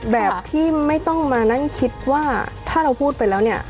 แบบที่ไม่ต้องมานั่งคิดว่าถ้าเราพูดไปแล้วเนี่ย